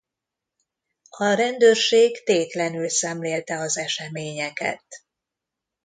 A rendőrség tétlenül szemlélte az eseményeket.